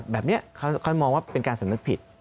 แบบนี้ค่อยมองว่าเป็นการสำนึกผิด